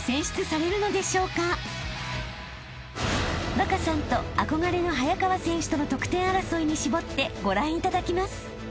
［稚さんと憧れの早川選手との得点争いに絞ってご覧いただきます］